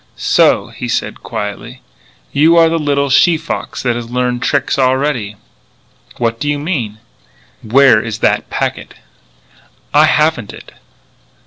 "So," he said quietly, "you are the little she fox that has learned tricks already." "What do you mean?" "Where is that packet?" "I haven't it."